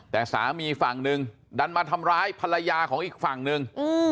แต่สามีฝั่งหนึ่งดันมาทำร้ายภรรยาของอีกฝั่งหนึ่ง